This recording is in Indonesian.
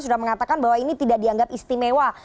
sudah mengatakan bahwa ini tidak dianggap istimewa